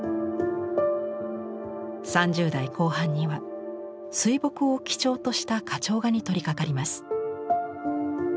３０代後半には水墨を基調とした花鳥画に取りかかります。